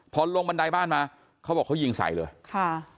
พอลงบันไดบ้านมาเขาบอกเขายิงใส่เลยค่ะ